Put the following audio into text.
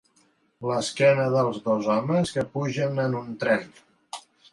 L'esquena dels dos homes que pugen en un tren.